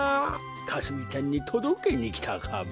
かすみちゃんにとどけにきたカメ。